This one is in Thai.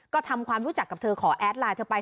ก็ทำความรู้จักกับเธอขอแอดไลน์เธอไป